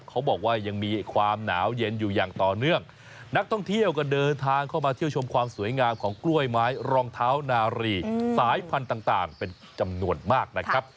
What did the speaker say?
เขาบอกว่ายังมีความหนาวเย็นอยู่อย่างต่อเนื่องนักท่องเที่ยวก็เดินทางเข้ามาเที่ยวชมความสวยงามของกล้วยไม้รองเท้านารีสายพันธุ์ต่างเป็นจำนวนมากนะครับ